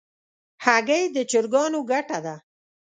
هګۍ د چرګانو ګټه ده.